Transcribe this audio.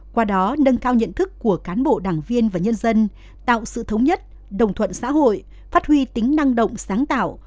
qua đó nâng cao nhận thức của cán bộ đảng viên và nhân dân tạo sự thống nhất đồng thuận xã hội phát huy tính năng động sáng tạo